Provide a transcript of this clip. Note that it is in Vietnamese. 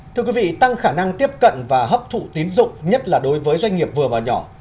thưa quý vị tăng khả năng tiếp cận và hấp thụ tín dụng nhất là đối với doanh nghiệp vừa và nhỏ